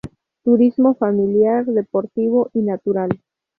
Turismo familiar, deportivo y natural.